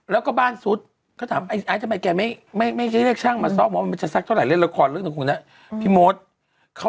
ละครยังไม่ได้นะคะพี่เลือกหนึ่งยังไม่ได้นะคะ